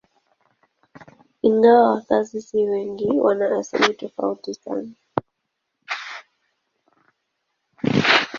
Ingawa wakazi si wengi, wana asili tofauti sana.